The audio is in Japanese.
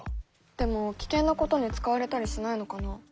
でも危険なことに使われたりしないのかな？